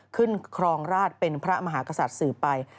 ครองราชเป็นพระมหากษัตริย์สืบไป